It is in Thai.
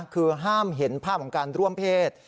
คือห้ามเห็นภาพของการร่วมเพศ